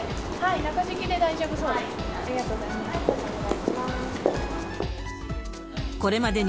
中敷きで大丈夫そうです。